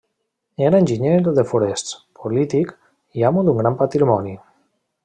Era enginyer de forests, polític i amo d'un gran patrimoni.